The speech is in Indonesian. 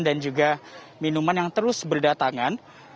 dan juga minuman yang terus berdatangan